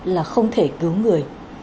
là không thể cứu người